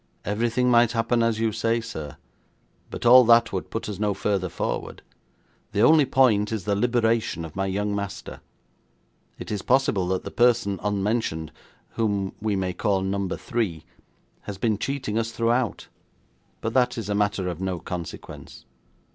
'Everything might happen as you say, sir, but all that would put us no further forward. The only point is the liberation of my young master. It is possible that the person unmentioned, whom we may call Number Three, has been cheating us throughout, but that is a matter of no consequence.'